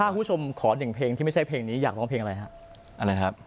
คุณผู้ชมขอหนึ่งเพลงที่ไม่ใช่เพลงนี้อยากร้องเพลงอะไรฮะอะไรครับ